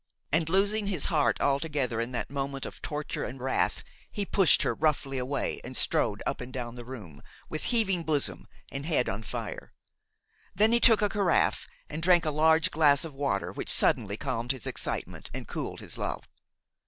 And, losing his heart altogether in that moment of torture and wrath, he pushed her roughly away and strode up and down the room, with heaving bosom and head on fire; then he took a carafe and drank a large glass of water which suddenly calmed his excitement and cooled his love.